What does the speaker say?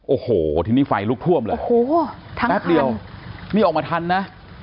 โอ้โหทีนี้ไฟลุกท่วมเลยโอ้โหแป๊บเดียวนี่ออกมาทันนะ